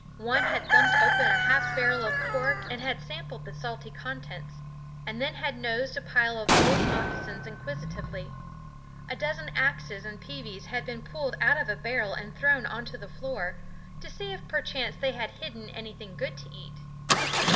One had thumped open a half barrel of pork and sampled the salty contents, and then had nosed a pile of old moccasins inquisitively. A dozen axes and peaveys had been pulled out of a barrel and thrown on the floor, to see if perchance they had hidden anything good to eat.